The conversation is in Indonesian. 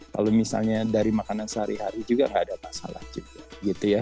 kalau misalnya dari makanan sehari hari juga nggak ada masalah juga gitu ya